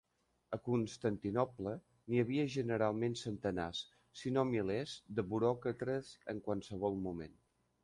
A Constantinoble n'hi havia generalment centenars, si no milers, de buròcrates en qualsevol moment.